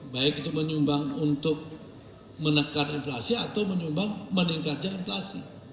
baik itu menyumbang untuk menekan inflasi atau menyumbang meningkatnya inflasi